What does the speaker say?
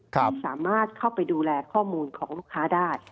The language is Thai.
สามารถเข้าไปดูแลข้อมูลของลูกค้าได้